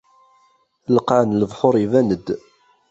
Lqaɛ n lebḥur iban-d.